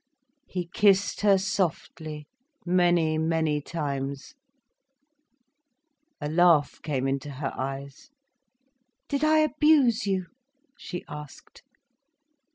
He kissed her, softly, many, many times. A laugh came into her eyes. "Did I abuse you?" she asked.